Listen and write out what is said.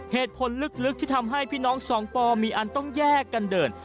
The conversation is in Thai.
เหตุผลลึกที่ทำให้พี่น้องสองปอมีอันต้องแยกกันเดิน